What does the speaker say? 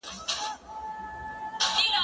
زه اوږده وخت پاکوالي ساتم وم